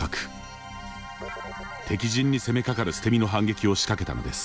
敵陣に攻めかかる捨て身の反撃を仕掛けたのです。